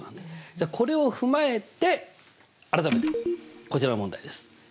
じゃあこれを踏まえて改めてこちらの問題です。はあ。